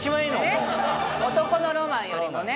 男のロマンよりもね。